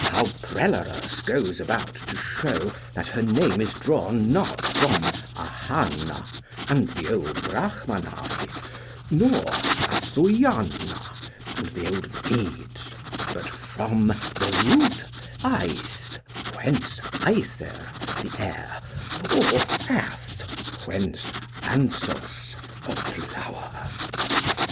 how Prellerus goes about to show that her name is drawn not from Ahana' and the old Brachmanae, nor athwya'na and the old Medes, but from 'the root aith*, whence aither*, the air, or ath*, whence anthos*, a flower.'